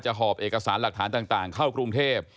หอบเอกสารหลักฐานต่างเข้ากรุงเทพ